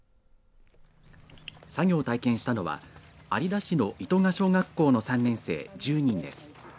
作業を体験したのは有田市の糸我小学校の３年生１０人です。